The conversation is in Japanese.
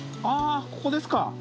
ああここですか。